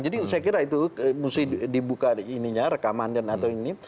jadi saya kira itu mesti dibuka rekaman atau ini